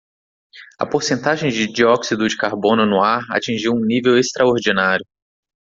A porcentagem de dióxido de carbono no ar atingiu um nível extraordinário.